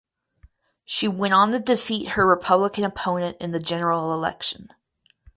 She went on to defeat her Republican opponent in the general election.